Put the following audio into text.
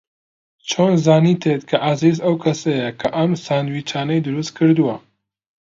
چۆن زانیت کە عەزیز ئەو کەسەیە کە ئەم ساندویچانەی دروست کردووە؟